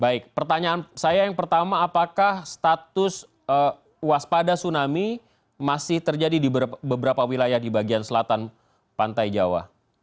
baik pertanyaan saya yang pertama apakah status waspada tsunami masih terjadi di beberapa wilayah di bagian selatan pantai jawa